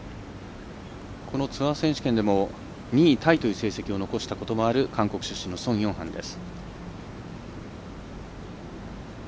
このツアー選手権でも２位タイという成績を残したこともある韓国出身のソン・ヨンハンです。